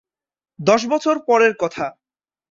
দশ বছর পরের কথা।